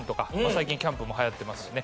最近キャンプもはやってますしね